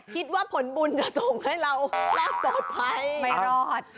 คิดว่าผลบุญจะส่งให้เราน่าสดไปไม่รอด